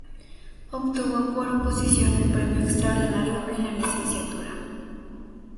Obtuvo por oposición el premio extraordinario en la licenciatura.